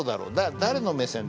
誰の目線で？